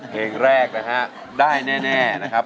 เพลงแรกนะฮะได้แน่นะครับ